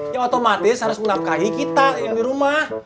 ya otomatis harus melangkahi kita yang di rumah